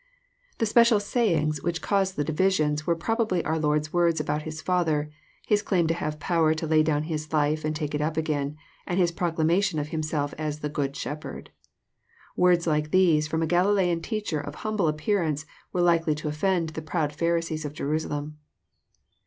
The special << sayings " which caused the division were proba* bly our Lord's words about His Father, His claim to have power to lay down His life and take it again, and His proclamation of Himself as *Hhe Good Shepherd." Words like these fh>m a Galilean teacher of humble appearance were likely to oflTend the proud Pharisees of Jerusalem.